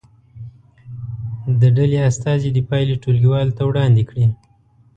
د ډلې استازي دې پایلې ټولګي والو ته وړاندې کړي.